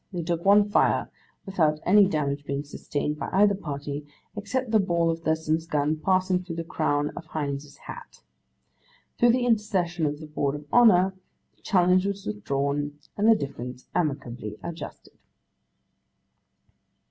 They took one fire, without any damage being sustained by either party, except the ball of Thurston's gun passing through the crown of Hine's hat. Through the intercession of the Board of Honour, the challenge was withdrawn, and the difference amicably adjusted.